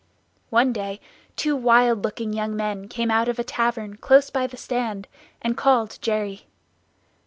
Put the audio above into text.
One day two wild looking young men came out of a tavern close by the stand, and called Jerry.